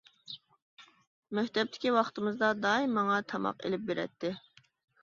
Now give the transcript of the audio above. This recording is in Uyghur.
مەكتەپتىكى ۋاقتىمىزدا دائىم ماڭا تاماق ئېلىپ بېرەتتى.